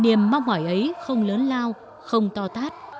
nghiệm mong họi ấy không lớn lao không to tát